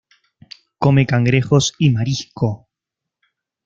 Come cangrejos y marisco.